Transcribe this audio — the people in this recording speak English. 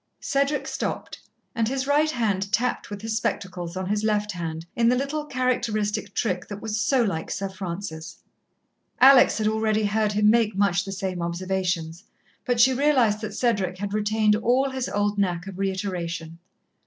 Cedric stopped, and his right hand tapped with his spectacles on his left hand, in the little, characteristic trick that was so like Sir Francis. Alex had already heard him make much the same observations, but she realized that Cedric had retained all his old knack of reiteration.